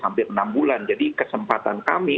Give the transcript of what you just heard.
hampir enam bulan jadi kesempatan kami